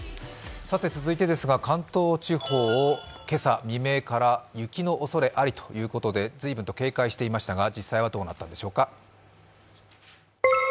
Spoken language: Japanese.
続いてですが関東地方を今朝未明から雪のおそれありということで随分と警戒していましたが実際はどうなったんでしょうか。